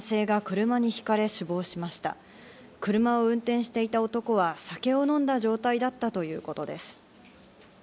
車を運転していた男は酒を飲んだ状態だったということです。